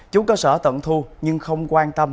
chú cơ sở tận thu nhưng không quan tâm